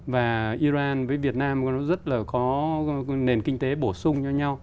và iran với việt nam nó rất là có nền kinh tế bổ sung cho nhau